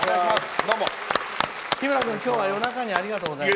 日村君、今日は夜中にありがとうございます。